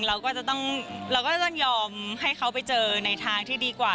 เราก็จะต้องยอมให้เขาไปเจอในทางที่ดีกว่า